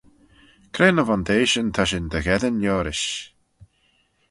Cre ny vondeishyn ta shin dy gheddyn liorish?